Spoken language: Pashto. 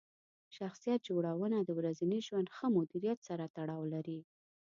شخصیت جوړونه د ورځني ژوند ښه مدیریت سره تړاو لري.